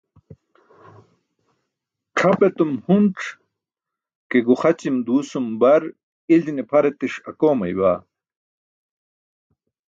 C̣ʰap etum hunc̣ ke guxaćim duusum bar iljine pʰar etis akoomayma.